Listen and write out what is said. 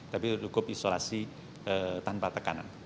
tapi cukup isolasi tanpa tekanan